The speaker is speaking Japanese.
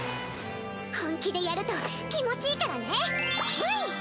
本気でやると気持ちいいからねブイ！